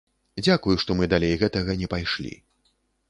Дзякуй, што мы далей гэтага не пайшлі.